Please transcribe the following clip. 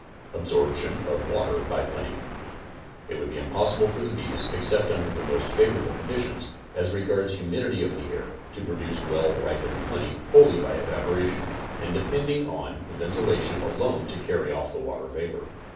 ABSORBTION OF WATER BY HONEY It would be impossible for the bees, except under the most favorable conditions, as regards humidity of the air, to produce well ripened honey wholly by evaporation and depending on v:n tilation alone to carry off the water vapor.